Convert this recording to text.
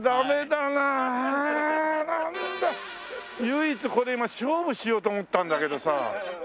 唯一これ今勝負しようと思ったんだけどさ。